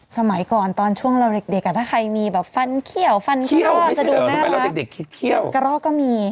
สมัยก่อนตอนช่วงเราเด็กถ้าใครมีแบบฟันเขี้ยวฟันกะรอก